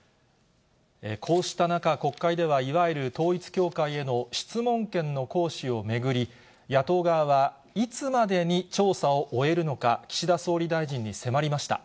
こうした中、国会では、いわゆる統一教会への質問権の行使を巡り、野党側は、いつまでに調査を終えるのか、岸田総理大臣に迫りました。